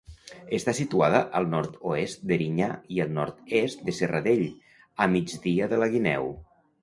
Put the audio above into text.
Està situada al nord-oest d'Erinyà i al nord-est de Serradell, a migdia de la Guineu.